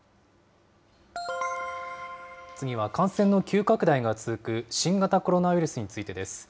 次は感染の急拡大が続く、新型コロナウイルスについてです。